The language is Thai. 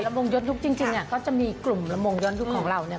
วงย้อนยุคจริงเนี่ยก็จะมีกลุ่มละมงย้อนยุคของเราเนี่ย